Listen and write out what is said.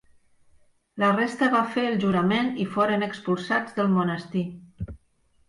La resta va fer el jurament i foren expulsats del monestir.